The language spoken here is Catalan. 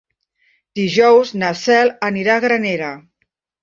Dijous na Cel anirà a Granera.